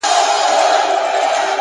مثبت فکر د ذهن کړکۍ پاکوي!